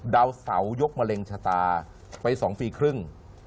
ดาวเสายกมะเร็งชะตาไป๒ปีครึ่ง